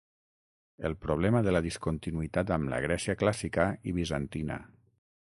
El problema de la discontinuïtat amb la Grècia clàssica i bizantina.